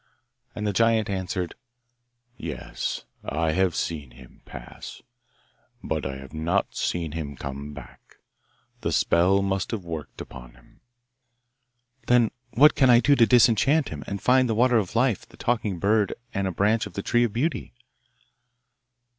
And the giant answered, 'Yes, I have seen him pass, but I have not seen him come back. The spell must have worked upon him.' 'Then what can I do to disenchant him, and find the water of life, the talking bird, and a branch of the tree of beauty?